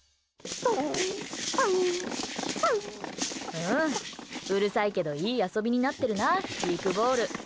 うん、うるさいけどいい遊びになっているな知育ボール。